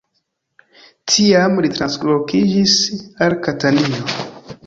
Tiam li translokiĝis al Katanio.